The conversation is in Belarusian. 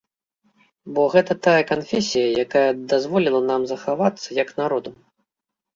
Бо гэта тая канфесія, якая дазволіла нам захавацца, як народу.